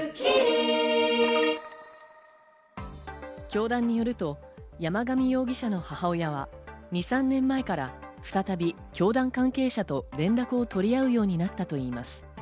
教団によると山上容疑者の母親は、２３年前から再び教団関係者と連絡を取り合うようになったといいます。